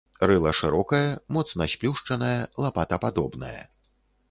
Рыла шырокае, моцна сплюшчанае, лапатападобнае.